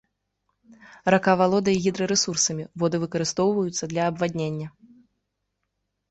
Рака валодае гідрарэсурсамі, воды выкарыстоўваюцца для абваднення.